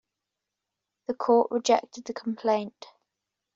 The court rejected the complaint.